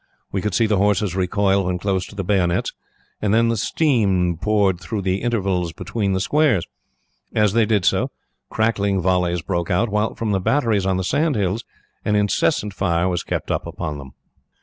We could see the horses recoil when close to the bayonets, and then the stream poured through the intervals between the squares. As they did so, crackling volleys broke out, while from the batteries on the sand hills an incessant fire was kept up upon them.